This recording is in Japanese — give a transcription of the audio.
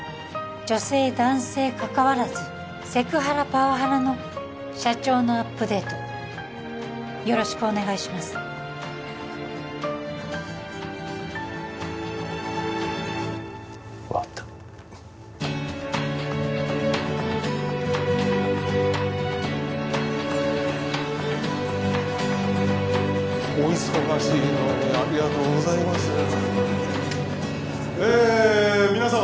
女性男性かかわらずセクハラパワハラの社長のアップデートよろしくお願いします分かったうんお忙しいのにありがとうございますえっ皆様